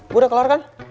gue udah keluar kan